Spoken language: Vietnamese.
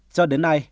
cho đến nay